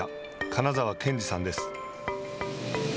金沢健児さんです。